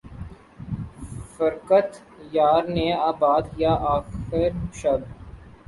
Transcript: فرقت یار نے آباد کیا آخر شب